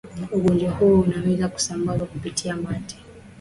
ugonjwa huo unaweza kusambazwa kupitia mate